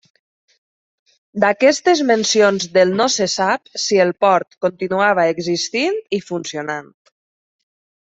D'aquestes mencions del no se sap si el port continuava existint i funcionant.